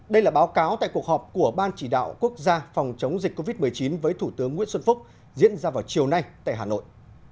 đây là báo cáo tại cuộc họp của ban chỉ đạo quốc gia phòng chống dịch covid một mươi chín với thủ tướng nguyễn xuân phúc diễn ra vào chiều nay tại hà nội